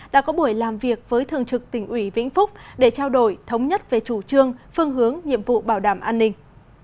đã có buổi làm việc với thường trực tỉnh ủy vĩnh phúc để trao đổi thống nhất về chủ trương phương hướng nhiệm vụ bảo đảm an ninh